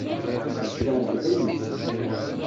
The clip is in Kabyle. Tzergeḍ-iyi-tt.